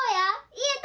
言えた？